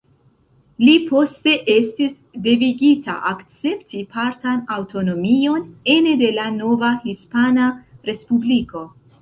Li poste estis devigita akcepti partan aŭtonomion ene de la nova Hispana Respubliko.